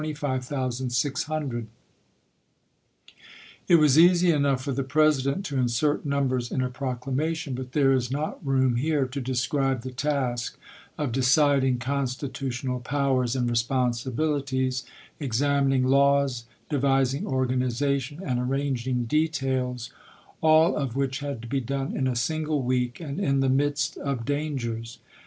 ^ It was easy enough for the President to insert numbers in a proclamation ; but there is not room here to describe the task of deciding constitu tional powers and responsibilities, examining laws, devising organization and arranging details, all of which had to be done in a single week, and in the midst of dangers.